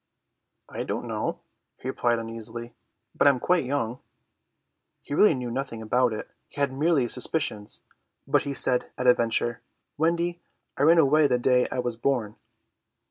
"I don't know," he replied uneasily, "but I am quite young." He really knew nothing about it, he had merely suspicions, but he said at a venture, "Wendy, I ran away the day I was born."